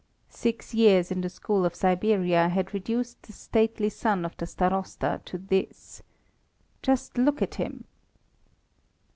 Six years in the school of Siberia had reduced the stately son of the Starosta to this. Just look at him!